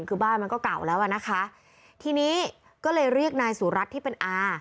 คือบ้านมันก็เก่าแล้วอ่ะนะคะทีนี้ก็เลยเรียกนายสุรัตน์ที่เป็นอา